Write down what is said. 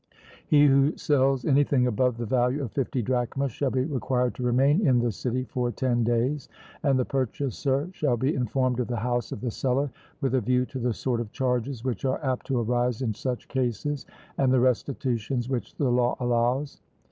He who sells anything above the value of fifty drachmas shall be required to remain in the city for ten days, and the purchaser shall be informed of the house of the seller, with a view to the sort of charges which are apt to arise in such cases, and the restitutions which the law allows.